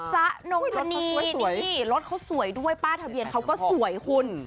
นงธนีนี่รถเขาสวยด้วยป้ายทะเบียนเขาก็สวยคุณ